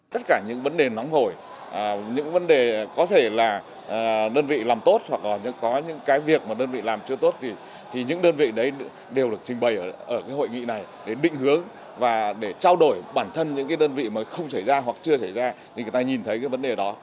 tất cả những vấn đề nóng hổi những vấn đề có thể là đơn vị làm tốt hoặc là có những cái việc mà đơn vị làm chưa tốt thì những đơn vị đấy đều được trình bày ở hội nghị này để định hướng và để trao đổi bản thân những cái đơn vị mà không xảy ra hoặc chưa xảy ra thì người ta nhìn thấy cái vấn đề đó